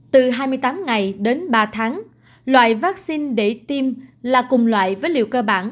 từ hai mươi tám ngày đến ba tháng loại vaccine để tiêm là cùng loại với liều cơ bản